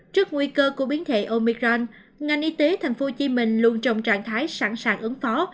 trước nguy cơ của biến thể omicran ngành y tế tp hcm luôn trong trạng thái sẵn sàng ứng phó